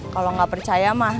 kalo gak percaya mah